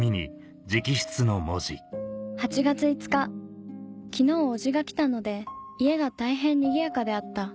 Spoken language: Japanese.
「８月５日昨日叔父がきたので家が大へんにぎやかであった」